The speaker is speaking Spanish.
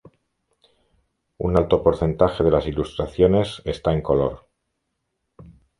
Un alto porcentaje de las ilustraciones está en color.